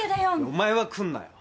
お前は来んなよ。